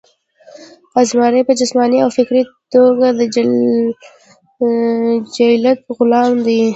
ازمرے پۀ جسماني او فکري توګه د جبلت غلام دے